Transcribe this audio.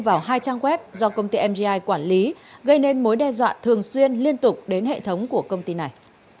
vào hai trang web do công ty mgi quản lý gây nên mối đe dọa thường xuyên liên tục đến hệ thống của công ty này